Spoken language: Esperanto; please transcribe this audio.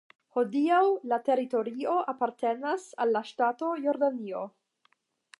Hodiaŭ la teritorio apartenas al la ŝtato Jordanio.